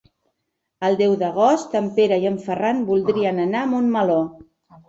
El deu d'agost en Pere i en Ferran voldrien anar a Montmeló.